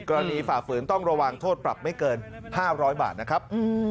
ฝ่าฝืนต้องระวังโทษปรับไม่เกิน๕๐๐บาทนะครับ